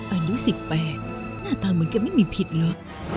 อายุสิบแปดหน้าตาเหมือนแกไม่มีผิดหรือ